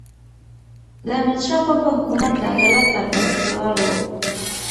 د احمدشاه بابا حکومت د عدالت پر بنسټ ولاړ و.